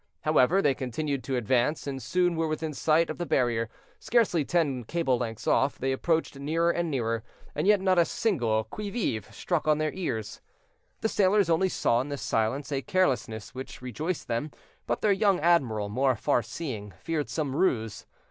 However, they continued to advance, and soon were within sight of the barrier, scarcely ten cable lengths off; they approached nearer and nearer, and yet not a single "qui vive!" struck on their ears. The sailors only saw in this silence a carelessness which rejoiced them; but their young admiral, more far seeing, feared some ruse.